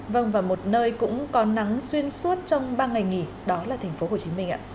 vâng và một nơi cũng có nắng xuyên suốt trong ba ngày nghỉ đó là thành phố hồ chí minh ạ